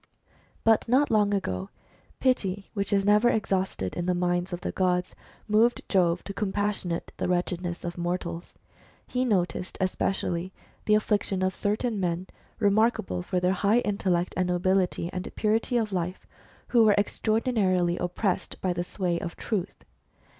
But not long ago, pity, which is never exhausted in the minds of the gods, moved Jove to compassionate the wretchedness of mortals. He noticed especially the affliction of certain men, remarkable for their high intellect, and nobility, and purity of life, who were extra ordinarily oppressed by the sway of Truth.